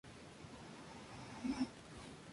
A su vez, estos a se componen de municipios.